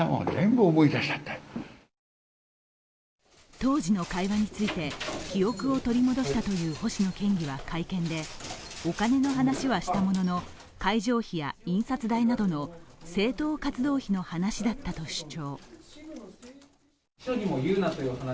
当時の会話について、記憶を取り戻したという星野県議は会見で、お金の話はしたものの、会場費や印刷代などの政党活動費の話だったと主張。